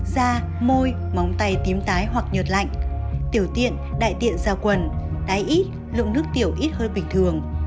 da môi móng tay tím tái hoặc nhờt lạnh tiểu tiện đại tiện ra quần đáy ít lượng nước tiểu ít hơn bình thường